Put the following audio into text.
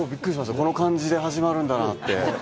この感じで始まるんだなって。